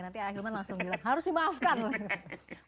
nanti akhirnya langsung bilang harus di maafkan loh